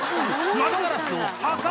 窓ガラスを破壊！